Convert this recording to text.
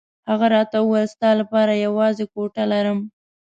هغه راته وویل ستا لپاره یوازې کوټه لرم.